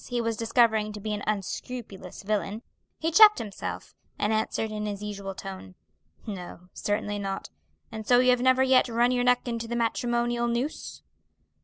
he was discovering to be an unscrupulous villain, he checked himself, and answered in his usual tone, "No, certainly not; and so you have never yet run your neck into the matrimonial noose?"